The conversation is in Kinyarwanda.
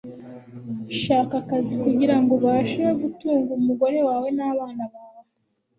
Shaka akazi kugirango ubashe gutunga umugore wawe nabana bawe.